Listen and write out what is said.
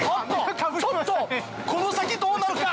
ちょっとこの先どうなるか！